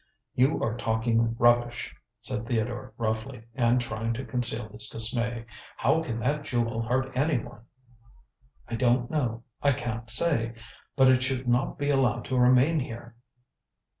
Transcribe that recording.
"You are talking rubbish," said Theodore roughly, and trying to conceal his dismay. "How can that jewel hurt anyone?" "I don't know; I can't say; but it should not be allowed to remain here."